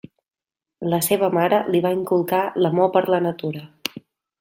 La seva mare li va inculcar l'amor per la natura.